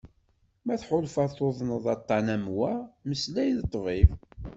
Ma tḥulfaḍ tuḍneḍ aṭan am wa, mmeslay d ṭṭbib.